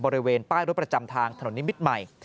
บริเวณป้ายรถประจำทางถนนนิมิตรใหม่